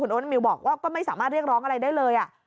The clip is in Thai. โอ๊ตมิวบอกว่าก็ไม่สามารถเรียกร้องอะไรได้เลย